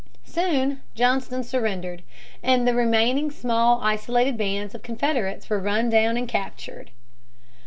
Soon Johnston surrendered, and the remaining small isolated bands of Confederates were run down and captured.